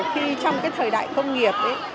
khi trong cái thời đại công nghiệp ấy